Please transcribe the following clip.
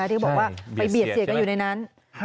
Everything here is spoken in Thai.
ที่บอกว่าไปเบียดเสียกันอยู่ในนั้น